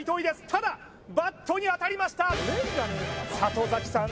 ただバットに当たりました里崎さん